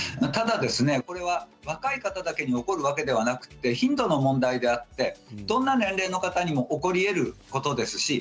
ただ、これは若い方だけに起こるわけではなくて頻度の問題であってどんな年齢の方も起こりえることです。